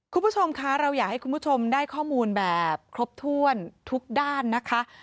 คุณผู้ชมคะเราอยากให้คุณผู้ชมได้ข้อมูลแบบครบถ้วนทุกด้านนะคะ